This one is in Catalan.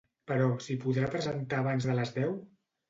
Però s'hi podrà presentar abans de les deu?